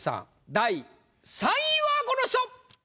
第３位はこの人！